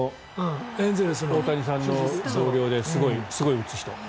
あの大谷さんの同僚ですごい打つ人。